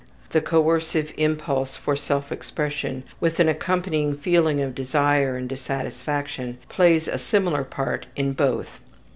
The coercive impulse for self expression, with an accompanying feeling of desire and dissatisfaction, plays a similar part in both.